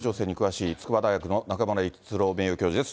ここからは、ロシア情勢に詳しい筑波大学の中村逸郎名誉教授です。